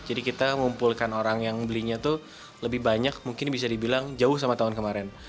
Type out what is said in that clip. jadi kita ngumpulkan orang yang belinya tuh lebih banyak mungkin bisa dibilang jauh sama tahun kemarin